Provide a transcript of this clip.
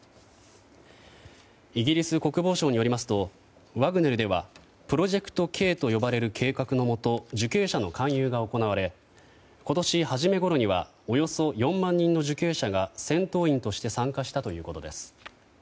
イギリス国防省によりますとワグネルではプロジェクトＫと呼ばれる計画のもと受刑者の勧誘が行われ今年初めごろにはおよそ４万人の受刑者が戦闘員として参加したということです。